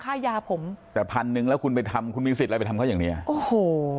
เพราะผมเขาติดตังค์ค่ะยาวเนี่ยยังไปเถียง